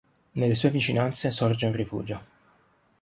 Nelle sue vicinanze sorge un rifugio.